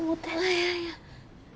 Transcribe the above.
いやいや。